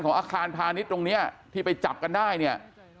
ของอับการพาณิชย์ตรงนี้ที่ไปจับกันได้